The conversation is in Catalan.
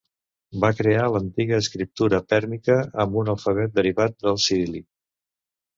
Va crear l'antiga escriptura pèrmica, amb un alfabet derivat del ciríl·lic.